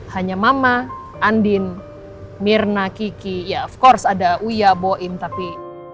hanya mama andin mirna kiki ya tentu saja ada uya boin tapi